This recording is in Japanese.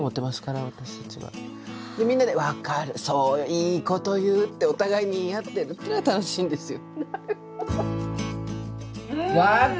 「いいこと言う」ってお互いに言い合ってるっていうのが楽しいんですよ。